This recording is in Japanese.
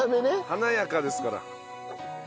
華やかですから。